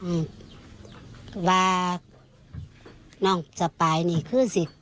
อื้มว่าน้องจะไปนี่คือสิ